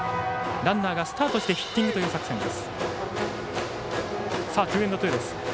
ランナーがスタートしてヒッティングという作戦です。